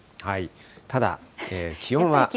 ただ、気温は。